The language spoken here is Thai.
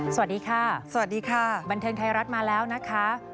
สวัสดีค่ะสวัสดีค่ะบันเทิงไทยรัฐมาแล้วนะคะ